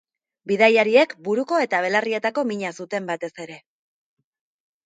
Bidaiariek buruko eta belarrietako mina zuten, batez ere.